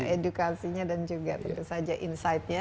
edukasinya dan juga tentu saja insightnya